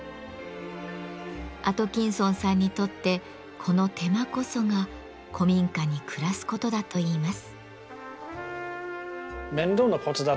アトキンソンさんにとってこの手間こそが古民家に暮らすことだといいます。